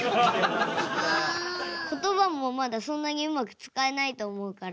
ことばもまだそんなにうまく使えないと思うから。